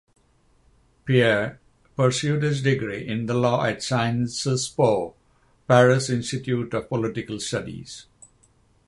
Pierre pursued his degree in law at Sciences Po (Paris Institute of Political Studies).